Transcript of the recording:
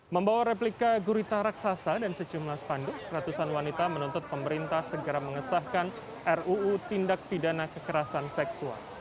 membawa replika gurita raksasa dan sejumlah spanduk ratusan wanita menuntut pemerintah segera mengesahkan ruu tindak pidana kekerasan seksual